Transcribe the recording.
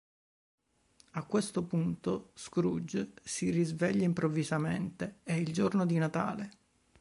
A questo punto, Scrooge si risveglia improvvisamente: è il giorno di Natale.